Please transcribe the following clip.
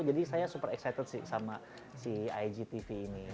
jadi saya super excited sama si igtv ini